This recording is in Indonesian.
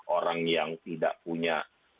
orang yang tidak punya